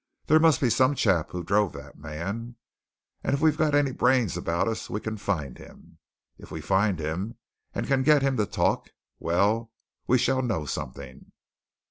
"There must be some chap who drove that man, and if we've got any brains about us we can find him. If we find him, and can get him to talk well, we shall know something."